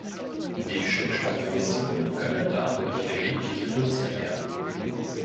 Die Stickstoffemissionen können dadurch erheblich reduziert werden.